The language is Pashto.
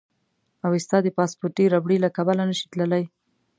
اوېستا د پاسپورتي ربړې له کبله نه شي تللی.